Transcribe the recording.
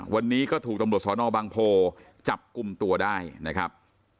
วันนี้ก็ถูกตำรวจสอนอบางโพจับกลุ่มตัวได้นะครับ